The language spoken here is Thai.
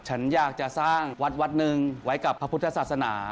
ฉันอยากจะสร้างวัดวัดหนึ่งไว้กับพระพุทธศาสนา